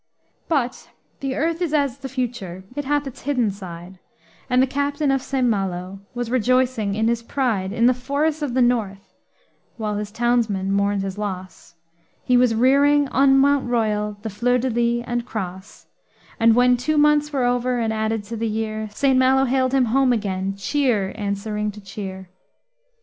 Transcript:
But the earth is as the Future, it hath its hidden side, And the Captain of St. Malo was rejoicing in his pride; In the forests of the North while his townsmen mourned his loss He was rearing on Mount Royal the fleur de lis and cross; And when two months were over, and added to the year, St. Malo hailed him home again, cheer answering to cheer.